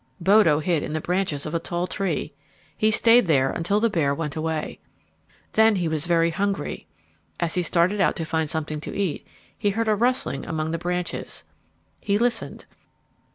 Bodo hid in the branches of a tall tree. He stayed there until the bear went away. Then he was very hungry. As he started out to find something to eat, he heard a rustling among the branches. He listened.